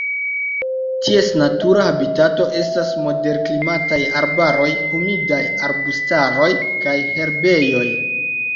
Ties natura habitato estas moderklimataj arbaroj, humidaj arbustaroj kaj herbejoj.